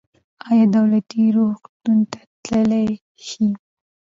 ایا دولتي روغتون ته تللی شئ؟